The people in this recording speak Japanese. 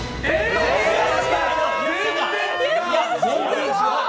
全然違う！